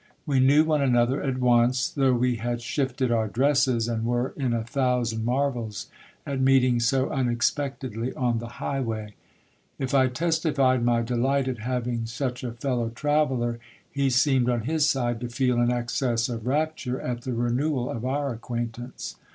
We knew one another at once, though we had shifted our dresses, and were in a thousand marvels at meeting so unexpectedly on the highway. If I testified my delight at having such a fellow traveller, he seemed on his side to feel an excess of rapture at the renewal of our acquaintance.